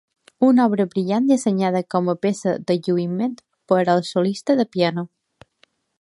Una obra brillant dissenyada com a peça de lluïment per al solista de piano.